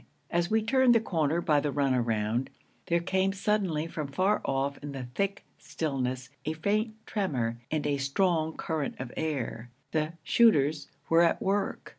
As we turned the corner by the run around, there came suddenly from far off in the thick stillness a faint tremor and a strong current of air. The 'shooters' were at work.